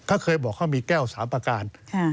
เขาเคยบอกเขามีแก้ว๓ประการ